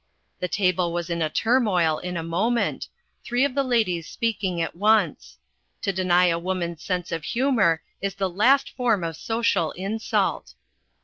The table was in a turmoil in a moment, three of the ladies speaking at once. To deny a woman's sense of humour is the last form of social insult.